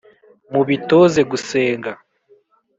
mubitoze gusenga